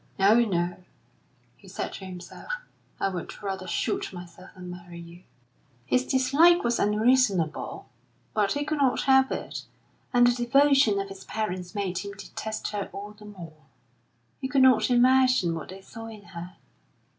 "Oh, no," he said to himself, "I would rather shoot myself than marry you!" His dislike was unreasonable, but he could not help it; and the devotion of his parents made him detest her all the more; he could not imagine what they saw in her.